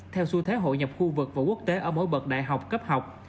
theo xu thế hội nhập khu vực và quốc tế ở mỗi bậc đại học cấp học